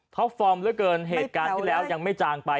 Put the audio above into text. ฟอร์มเหลือเกินเหตุการณ์ที่แล้วยังไม่จางไป